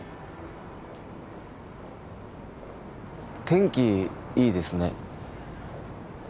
天気いいですね